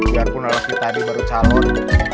biar pun lelaki tadi baru calon